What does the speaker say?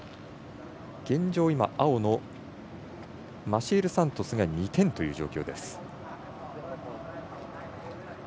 現状、青のマシエル・サントスが２点という状況。